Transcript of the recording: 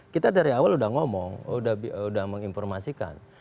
kita dari awal udah ngomong udah menginformasikan